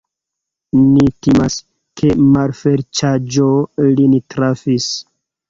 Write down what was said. Ni timas, ke malfeliĉaĵo lin trafis.